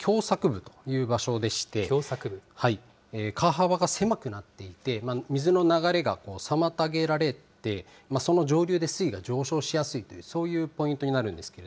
部という場所でして川幅が狭くなっていて水の流れが妨げられてその上流で水位が上昇しやすいというポイントです。